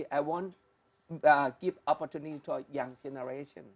saya ingin memberikan kesempatan kepada generasi muda